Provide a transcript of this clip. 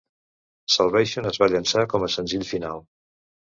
"Salvation" es va llançar com a senzill final.